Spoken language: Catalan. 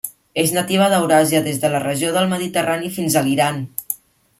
És nativa d'Euràsia, des de la regió del Mediterrani fins a l'Iran.